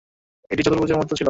এটি চতুর্ভুজের মত ছিল।